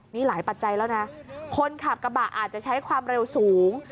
นี่หลายปัจจัยแล้วนะคนขับกระบะอาจจะใช้ความเร็วสูง